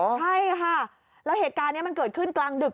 ใช่ค่ะแล้วเหตุการณ์นี้มันเกิดขึ้นกลางดึก